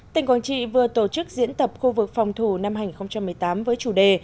tỉnh quảng trị vừa tổ chức diễn tập khu vực phòng thủ năm hai nghìn một mươi tám với chủ đề